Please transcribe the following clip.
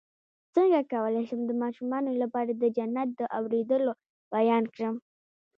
څنګه کولی شم د ماشومانو لپاره د جنت د اوریدلو بیان کړم